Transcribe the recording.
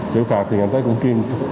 xử phạt thì ngành tế cũng kiêm